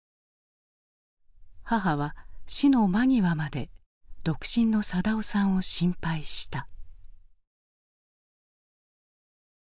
母は死の間際まで独身の定男さんを心配した。